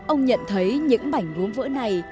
ông nhận thấy những mảnh gốm vỡ này